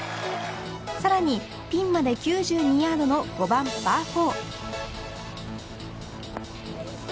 さらにピンまで９２ヤードの５番パー４。